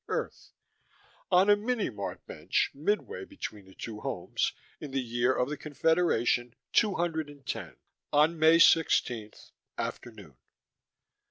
Earth) on a Minimart bench midway between the two homes, in the year of the Confederation two hundred and ten, on May sixteenth, afternoon.